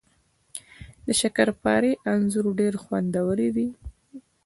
د شکرپارې انځر ډیر خوندور وي